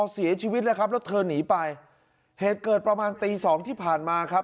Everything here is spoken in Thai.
เสียชีวิตเลยครับแล้วเธอหนีไปเหตุเกิดประมาณตีสองที่ผ่านมาครับ